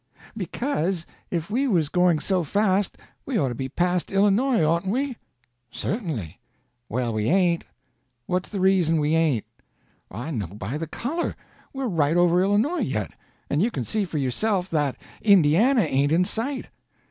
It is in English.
"Because if we was going so fast we ought to be past Illinois, oughtn't we?" "Certainly." "Well, we ain't." "What's the reason we ain't?" "I know by the color. We're right over Illinois yet. And you can see for yourself that Indiana ain't in sight."